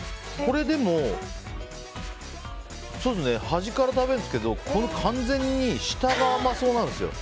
でも、端から食べるんですけど完全に下が甘そうなんです。